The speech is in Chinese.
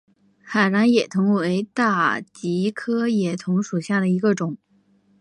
海南野桐为大戟科野桐属下的一个种。